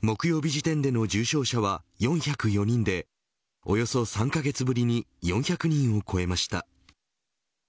木曜日時点での重症者は４０４人で、およそ３カ月ぶりに４００人を超えました。